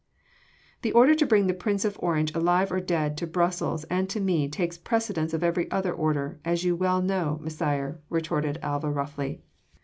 "The order to bring the Prince of Orange alive or dead to Brussels and to me takes precedence of every other order, as you well know, Messire," retorted Alva roughly.